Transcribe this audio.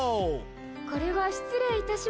これは失礼いたしました。